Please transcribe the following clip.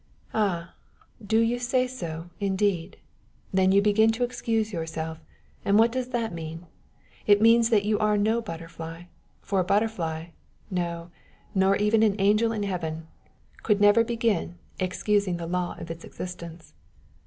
"Ah! do you say so, indeed? Then you begin to excuse yourself, and what does that mean? It means that you are no butterfly, for a butterfly no, nor an angel in heaven could never begin excusing the law of its existence.